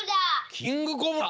キングコブラ！